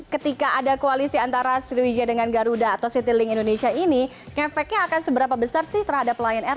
ketika ada koalisi antara sriwijaya dengan garuda atau citilink indonesia ini efeknya akan seberapa besar sih terhadap lion air